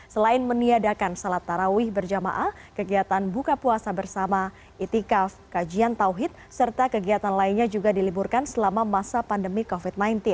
selain meniadakan salat tarawih berjamaah kegiatan buka puasa bersama itikaf kajian tawhid serta kegiatan lainnya juga diliburkan selama masa pandemi covid sembilan belas